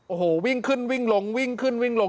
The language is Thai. โอ้โหวิ่งขึ้นวิ่งลงวิ่งขึ้นวิ่งลง